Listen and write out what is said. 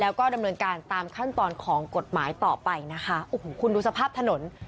แล้วก็ดำเนินการตามขั้นตอนของกฎหมายต่อไปนะคะโอ้โหคุณดูสภาพถนน